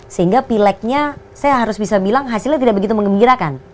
sehingga pileknya saya harus bisa bilang hasilnya tidak begitu mengembirakan